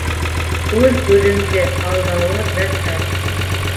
Үҙ-үҙеңде алдауы бер хәл.